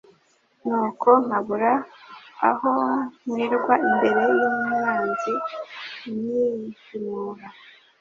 nuko nkabura aho nkwirwa imbere y’umwanzi unyihimura